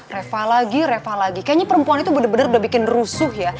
reva lagi reva lagi kayaknya perempuan itu benar benar udah bikin rusuh ya